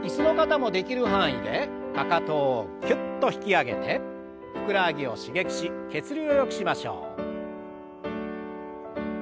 かかとをキュッと引き上げてふくらはぎを刺激し血流をよくしましょう。